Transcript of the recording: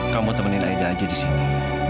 kamu temenin aida aja di sini